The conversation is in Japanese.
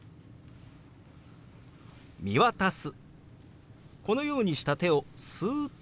「見渡す」。